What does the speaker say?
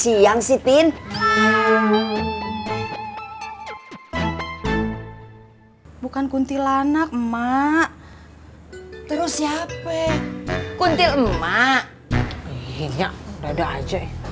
sangat banyak ree e las aktifan kau arah